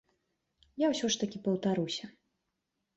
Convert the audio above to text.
Я ўсё ж такі паўтаруся.